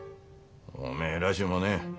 おめえらしゅうもねえ。